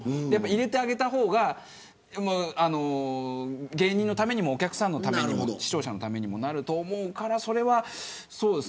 入れてあげた方が芸人のためにもお客さんのためにも視聴者のためにもなると思うから。